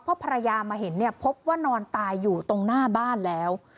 เพราะภรรยามาเห็นเนี่ยพบว่านอนตายอยู่ตรงหน้าบ้านแล้ว